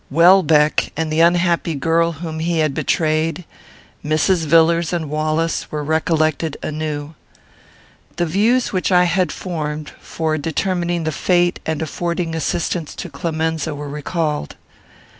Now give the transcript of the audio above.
Welbeck and the unhappy girl whom he had betrayed; Mrs. Villars and Wallace, were recollected anew. The views which I had formed, for determining the fate and affording assistance to Clemenza, were recalled.